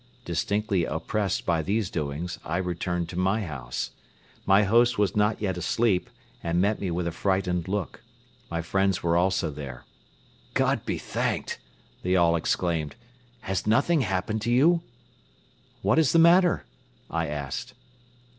Distinctly oppressed by these doings, I returned to my house. My host was not yet asleep and met me with a frightened look. My friends were also there. "God be thanked!" they all exclaimed. "Has nothing happened to you?" "What is the matter?" I asked.